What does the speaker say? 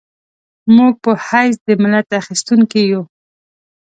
موږ په حیث د ملت اخیستونکي یو.